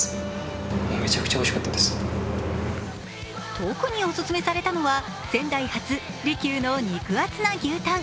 特にオススメされたのは、仙台発、利久の肉厚な牛タン。